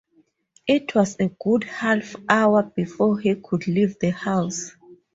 It was a good half-hour before he could leave the House.